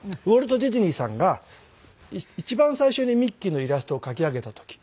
ウォルト・ディズニーさんが一番最初にミッキーのイラストを描き上げた時。